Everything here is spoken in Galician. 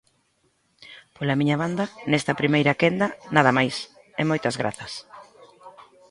Pola miña banda, nesta primeira quenda, nada máis, e moitas grazas.